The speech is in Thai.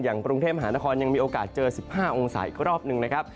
กรุงเทพมหานครยังมีโอกาสเจอ๑๕องศาอีกรอบหนึ่งนะครับ